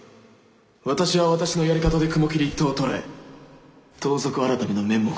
私は私のやり方で雲霧一党を捕らえ盗賊改の面目を保つまでだ。